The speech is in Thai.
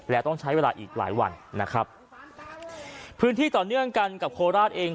และต้องใช้เวลาอีกหลายวันนะครับพื้นที่ต่อเนื่องกันกับโคราชเอง